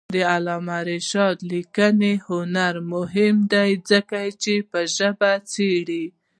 د علامه رشاد لیکنی هنر مهم دی ځکه چې ژبه څېړي.